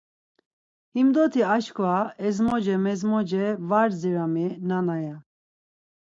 Himdoti aşǩva, ezmoce mezmoce va zirami nana, ya.